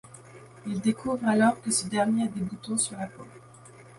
Il découvre alors que ce dernier a des boutons sur la peau.